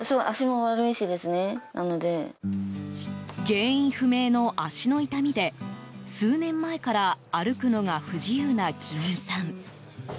原因不明の足の痛みで数年前から歩くのが不自由なきよみさん。